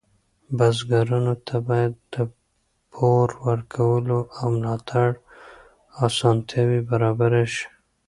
بزګرانو ته باید د پور ورکولو او ملاتړ اسانتیاوې برابرې شي.